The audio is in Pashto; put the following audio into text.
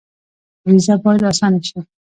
ویزه باید اسانه شي